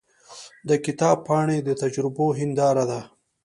د کتاب پاڼې د تجربو هنداره ده.